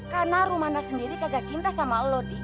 karena rumana sendiri kagak cinta sama lo